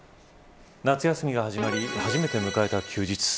夏休みが始まり初めて迎えた休日。